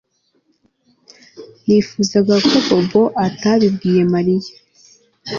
Nifuzaga ko Bobo atabibwiye Mariya